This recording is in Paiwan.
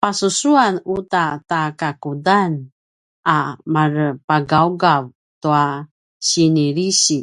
pasusuanan uta ta kakudan a marepagaugav tua sinilisi